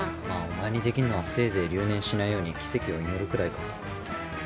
まあお前にできんのはせいぜい留年しないように奇跡を祈るくらいか。